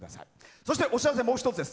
そしてお知らせもう一つです。